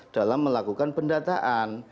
dalam melakukan pendataan